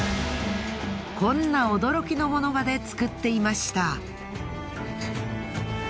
こんな驚きの物まで作っていました。